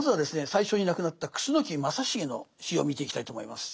最初に亡くなった楠木正成の死を見ていきたいと思います。